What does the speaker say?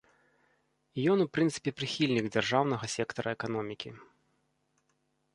І ён у прынцыпе прыхільнік дзяржаўнага сектара эканомікі.